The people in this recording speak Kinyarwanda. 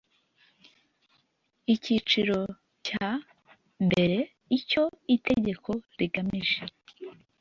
Icyiciro cya mbere Icyo itegeko rigamije